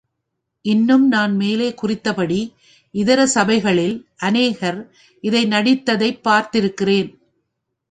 இன்னும் நான் மேலே குறித்தபடி இதர சபைகளில் அநேகர் இதை நடித்ததைப் பார்த்திருக்கிறேன்.